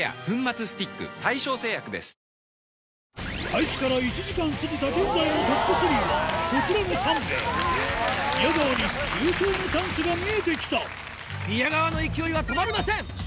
開始から１時間過ぎた現在のトップ３はこちらの３名宮川に優勝のチャンスが見えてきた宮川の勢いは止まりません！